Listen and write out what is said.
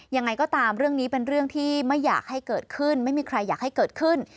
ยังไงก็ตามเรื่องนี้เป็นเรื่องที่ไม่อยากให้เกิดขึ้นไม่มีใครอยากให้เกิดขึ้น